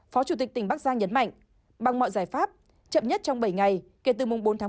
phó chủ tịch tỉnh bắc giang nhấn mạnh bằng mọi giải pháp chậm nhất trong bảy ngày kể từ bốn tháng một mươi một